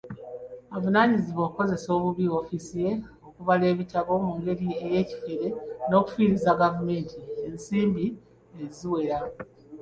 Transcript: Avunaanibwa okukozesa obubi woofiisi ye, okubala ebitabo mu ngeri y'ekifere n'okufiiriza gavumenti ensimbi eziwera.